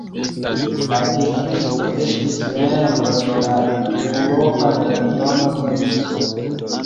La distrikto estis membro de la Eŭropa regiono Niso.